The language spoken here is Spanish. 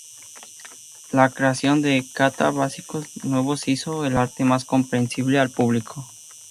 La creación de kata básicos nuevos hizo el arte más comprensible al público.